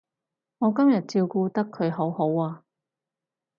我今日照顧得佢好好啊